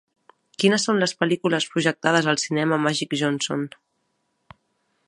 Quines són les pel·lícules projectades al cinema Magic Johnson.